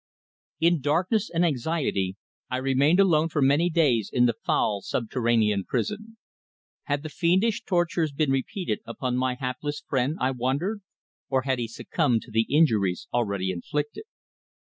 IN darkness and anxiety I remained alone for many days in the foul subterranean prison. Had the fiendish tortures been repeated upon my hapless friend, I wondered; or had he succumbed to the injuries already inflicted?